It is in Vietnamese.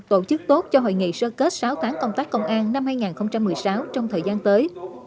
tổ chức tốt cho hội nghị sơ kết sáu tháng công tác công an năm hai nghìn một mươi sáu trong thời gian tới